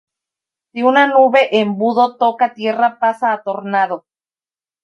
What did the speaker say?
Si una nube embudo toca tierra pasa a tornado.